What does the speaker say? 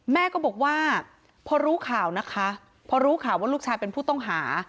แม่ก็บอกว่าพอรู้ข่าวนะคะพอรู้ข่าวว่าลูกชายเป็นผู้ต้องหา